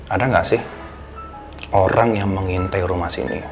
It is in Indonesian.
ada nggak sih orang yang mengintai rumah sini